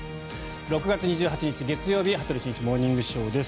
６月２８日、月曜日「羽鳥慎一モーニングショー」。